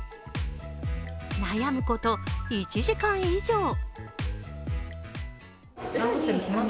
悩むこと１時間以上。